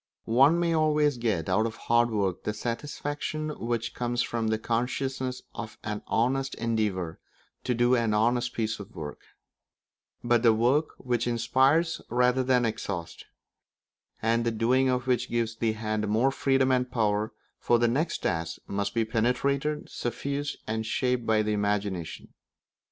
One may always get out of hard work the satisfaction which comes from the consciousness of an honest endeavour to do an honest piece of work; but the work which inspires rather than exhausts, and the doing of which gives the hand more freedom and power for the next tasks must be penetrated, suffused, and shaped by the imagination.